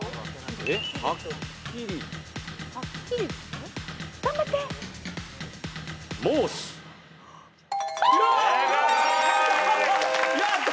「はっきり」やった！